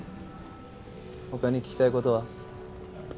他に聞きたい事は？